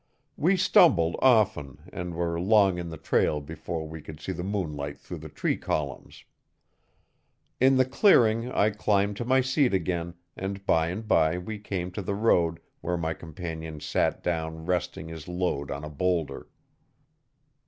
We stumbled, often, and were long in the trail before we could see the moonlight through the tree columns. In the clearing I climbed to my seat again and by and by we came to the road where my companion sat down resting his load on a boulder.